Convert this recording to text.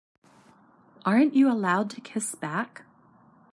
Aren't you allowed to kiss back?